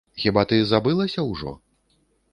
Хіба ты забылася ўжо?